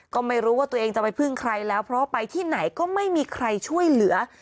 ก็ไม่รู้ว่าตัวเองจะไปพึ่งใครแล้วเพราะว่าไปที่ไหนก็ไม่มีใครช่วยเหลือ